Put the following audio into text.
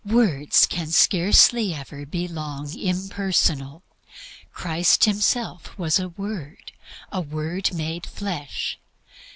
Words can scarcely ever be long impersonal. Christ himself was a Word, a word made Flesh.